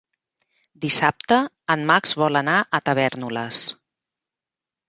Dissabte en Max vol anar a Tavèrnoles.